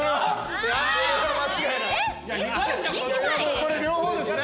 これ両方ですね。